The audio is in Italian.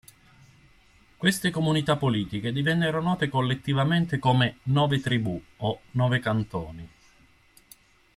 Queste comunità politiche divennero note collettivamente come "Nove Tribù" o "Nove Cantoni.